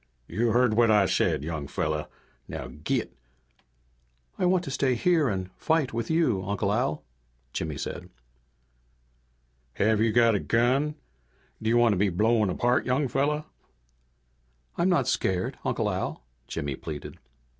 "You heard what I said, young fella. Now git!" "I want to stay here and fight with you, Uncle Al," Jimmy said. "Have you got a gun? Do you want to be blown apart, young fella?" "I'm not scared, Uncle Al," Jimmy pleaded.